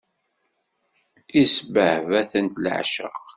Isbehba-tent leεceq.